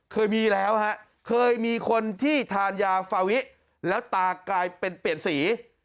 เคยมีแล้วฮะเคยมีคนที่ทานยาฟาวิแล้วตากลายเป็นเปลี่ยนสี